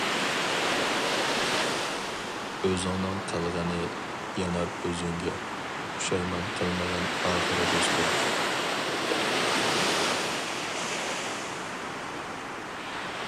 ئۆزۈڭنىڭ قىلغىنى يانار ئۆزۈڭگە، پۇشايمان قىلمىغىن ئاخىرى دوستۇم.